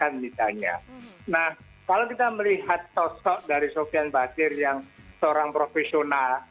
nah kalau kita melihat sosok dari sofian basir yang seorang profesional